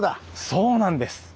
そうなんです。